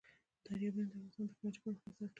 دریابونه د افغانستان د تکنالوژۍ پرمختګ سره تړاو لري.